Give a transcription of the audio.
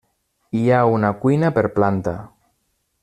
Hi ha una cuina per planta.